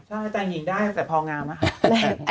ใช่แต่งหญิงได้แต่พองามนะคะ